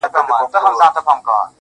په هغه دم به مي تا ته وي راوړی-